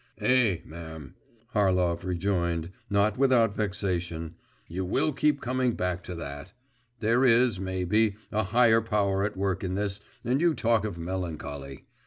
'Eh, ma'am,' Harlov rejoined, not without vexation, 'you will keep coming back to that. There is, maybe, a higher power at work in this, and you talk of melancholy.